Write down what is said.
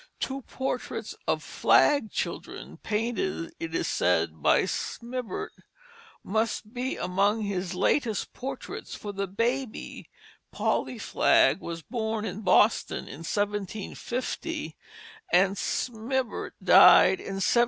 Two portraits of Flagg children painted, it is said, by Smibert, must be among his latest portraits, for the baby, Polly Flagg, was born in Boston in 1750, and Smibert died in 1751.